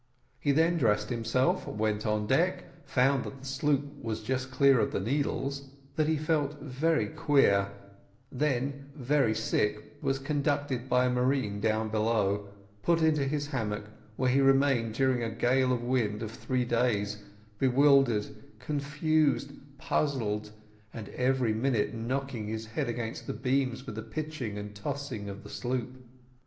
He then dressed himself, went on deck, found that the sloop was just clear of the Needles, that he felt very queer, then very sick, and was conducted by a marine down below, put into his hammock, where he remained during a gale of wind of three days, bewildered, confused, puzzled, and every minute knocking his head against the beams with the pitching and tossing of the sloop.